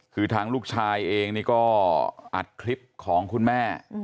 คือทางลูกชายเองนี่ก็อัดคลิปของคุณแม่